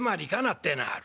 ってえのはある」。